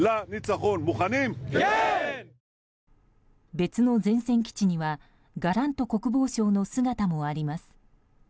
別の前線基地にはガラント国防相の姿もあります。